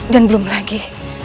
dan belum lagi